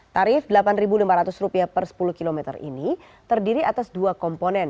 tarif rp delapan lima ratus per sepuluh km ini terdiri atas dua komponen